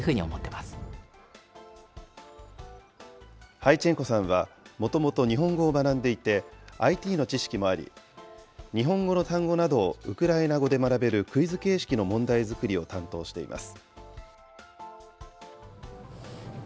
ハイチェンコさんはもともと日本語を学んでいてＩＴの知識もあり、日本語の単語などをウクライナ語で学べるクイズ形式の問題作りを担当しています。